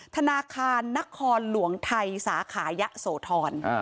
ธนาคารนครหลวงไทยสาขายะโสธร